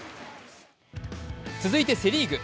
続いてセ・リーグ。